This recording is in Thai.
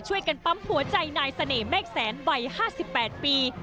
ช่วยกันปั๊มหัวใจนายเสน่หมเมฆแสนวัย๕๘ปี